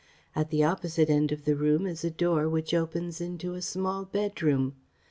At the opposite end of the room is a door which opens into a small bedroom.